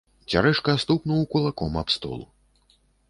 Цярэшка стукнуў кулаком аб стол.